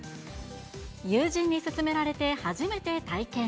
友人に勧められて初めて体験。